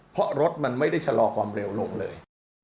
เพราะรถมันไม่ได้ชะลอความเร็วลงเลย